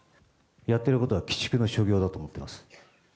やってることは鬼畜の所業だと思っています。